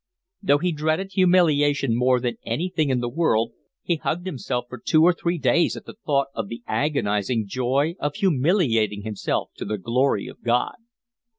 Though he dreaded humiliation more than anything in the world, he hugged himself for two or three days at the thought of the agonising joy of humiliating himself to the Glory of God.